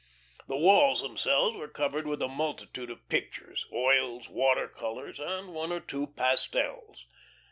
The walls themselves were covered with a multitude of pictures, oils, water colours, with one or two pastels.